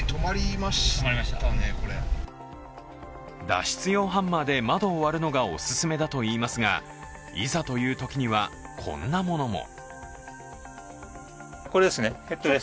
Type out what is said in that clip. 脱出用ハンマーで窓を割るのがお勧めだといいますが、いざというときにはこんなものも。